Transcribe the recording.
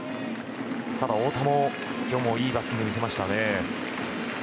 太田も今日はいいバッティングを見せました。